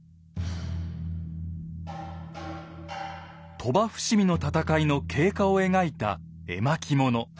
鳥羽伏見の戦いの経過を描いた絵巻物。